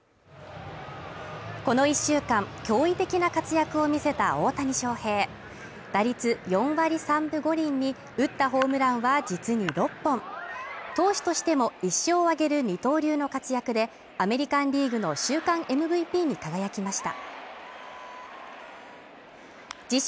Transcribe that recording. この１週間、驚異的な活躍を見せた大谷翔平打率４割３分５厘に打ったホームランは実に６本投手としても、１勝を挙げる二刀流の活躍でアメリカンリーグの週間ＭＶＰに輝きました。